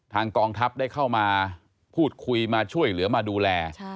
กองทัพได้เข้ามาพูดคุยมาช่วยเหลือมาดูแล